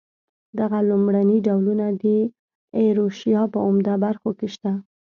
دغه لومړني ډولونه د ایروشیا په عمده برخو کې شته.